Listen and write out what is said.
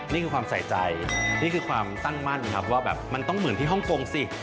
นี่คือความใส่ใจนี่คือความตั้งมั่นครับว่าแบบมันต้องเหมือนที่ฮ่องกงสิ